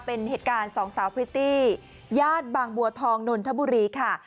เป็นเหตุการณ์สองสาวพริตตี้ญาติบางบัวทองนนทบุรีค่ะ